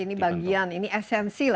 ini bagian ini esensi